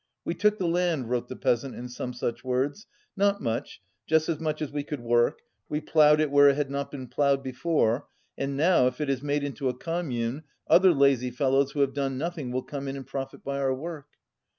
"We took the land," wrote the peasant in some such words, "not much, just as much as we could work, we ploughed it where it had not been ploughed before, and now, if it is made into a com mune, other lazy fellows who have done nothing will come in and profit by our work."